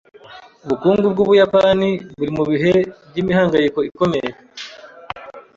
Ubukungu bw'Ubuyapani buri mu bihe by'imihangayiko ikomeye.